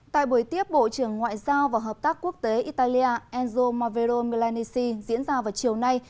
tại buổi tiếp bộ trưởng ngoại giao và hợp tác quốc tế italia enzo mavero milaneses ra vào chiều nay